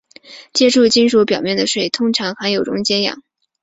接触金属表面的水通常含有溶解氧。